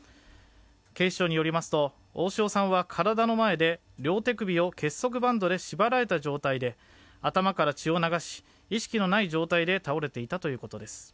警視庁によりますと大塩さんは体の前で両手首を結束バンドで縛られた状態で頭から血を流し意識のない状態で倒れていたということです。